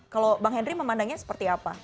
kalau bang henry memandangnya seperti apa